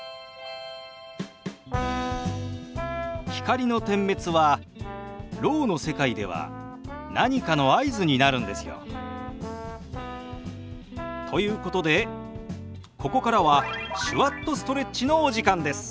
光の点滅はろうの世界では何かの合図になるんですよ。ということでここからは「手話っとストレッチ」のお時間です。